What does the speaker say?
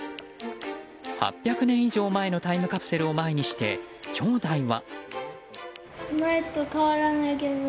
８００年以上前のタイムカプセルを前にして兄弟は。